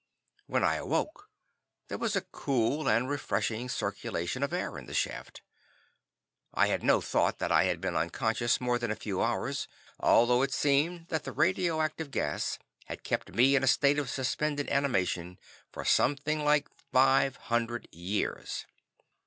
When I awoke, there was a cool and refreshing circulation of air in the shaft. I had no thought that I had been unconscious more than a few hours, although it seems that the radioactive gas had kept me in a state of suspended animation for something like 500 years.